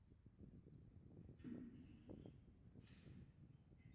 网友亦将本片改编成各种版本。